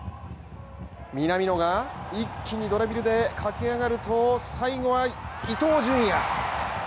南野が一気にドリブルで駆け上がる最後は伊東純也